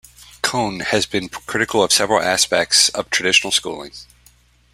Kohn has been critical of several aspects of traditional schooling.